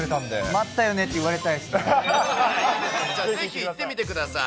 待ったよねって言われたいでぜひ、行ってみてください。